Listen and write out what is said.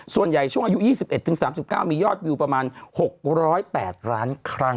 ช่วงอายุ๒๑๓๙มียอดวิวประมาณ๖๐๘ล้านครั้ง